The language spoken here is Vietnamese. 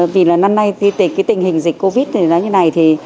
vì là năm nay tình hình dịch covid thì nói như này thì